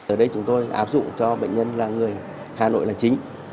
ở đây chúng tôi áp dụng cho bệnh nhân là người hà nội là chính